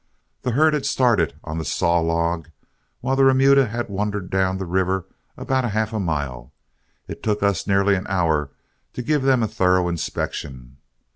The herd had started on for the Saw Log, while the remuda had wandered down the river about half a mile, and it took us nearly an hour to give them a thorough inspection.